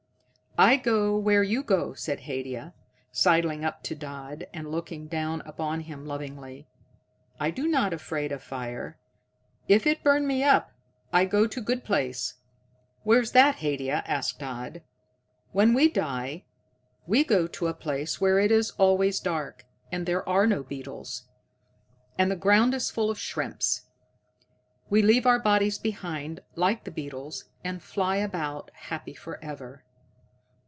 "I go where you go," said Haidia, sidling up to Dodd and looking down upon him lovingly. "I do not afraid of the fire. If it burn me up, I go to the good place." "Where's that, Haidia?" asked Dodd. "When we die, we go to a place where it is always dark and there are no beetles, and the ground is full of shrimps. We leave our bodies behind, like the beetles, and fly about happy for ever."